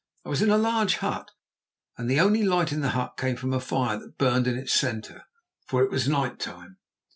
I was in a large hut, and the only light in the hut came from a fire that burned in its centre, for it was night time.